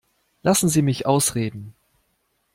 Lassen Sie mich ausreden.